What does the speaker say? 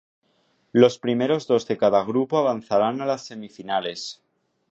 Los primeros dos de cada grupo avanzarán a las semifinales.